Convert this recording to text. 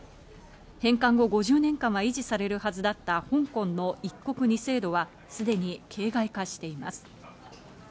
返還後５０年間は維持されるはずだった香港の一国二制度はすでに形骸化しています。